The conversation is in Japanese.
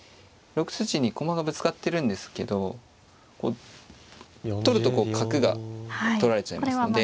６筋に駒がぶつかってるんですけどこう取ると角が取られちゃいますので。